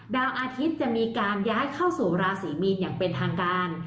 ดาวอาทิตย์จะมีการย้ายเข้าสู่ราศีมีนอย่างเป็นทางการ